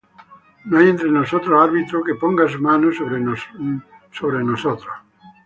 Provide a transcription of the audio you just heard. No hay entre nosotros árbitro Que ponga su mano sobre nosotros ambos.